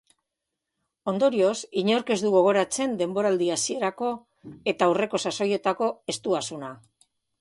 Ondorioz, inork ez du gogoratzen denboraldi hasierako eta aurreko sasoietako estuasuna.